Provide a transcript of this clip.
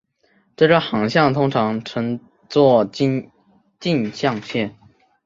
这个航向通常称作径向线。